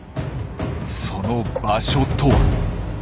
その場所とは。